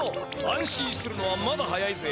安心するのはまだ早いぜ。